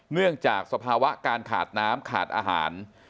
เนื่องจากสภาวะการขาดน้ำขาดอาหาร